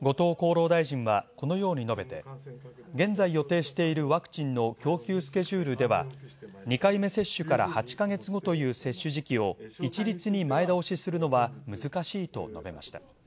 後藤厚労大臣はこのように述べて現在予定しているワクチンの供給スケジュールでは２回目接種から８か月後という接種時期を一律に前倒しするのは難しいと述べました。